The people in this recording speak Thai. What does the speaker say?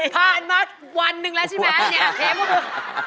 ผ่านมาวันหนึ่งแล้วใช่ไหมนี่อาทิตย์มา